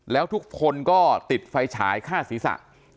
แล้วทุกคนก็ติดไฟฉายฆ่าศีรษะ